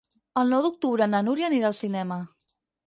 El nou d'octubre na Núria anirà al cinema.